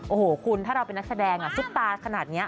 โอ้โหคุณถ้าเราเป็นนักแสดงซุปตาขนาดนี้